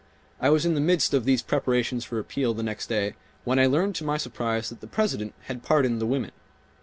I was in the midst of these preparations for appeal the next day when I learned to my surprise that the President had pardoned the women.